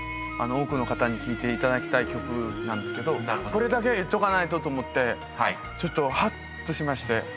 多くの方に聴いていただきたい曲なんですけどこれだけは言っとかないとと思ってちょっとはっとしまして。